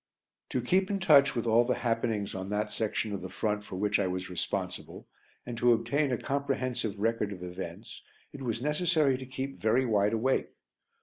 To keep in touch with all the happenings on that section of the front for which I was responsible, and to obtain a comprehensive record of events, it was necessary to keep very wide awake.